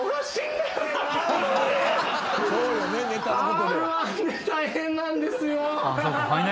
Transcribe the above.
Ｒ−１で大変なんですよ。